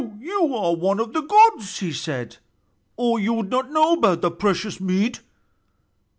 "You are one of the gods," he said, "or you would not know about the precious mead.